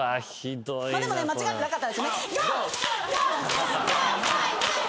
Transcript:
でもね間違ってなかった。